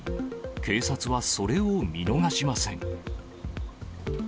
警察はそれを見逃しません。